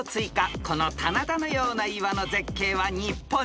［この棚田のような岩の絶景は日本にある？］